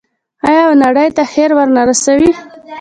آیا او نړۍ ته خیر ورنه رسوي؟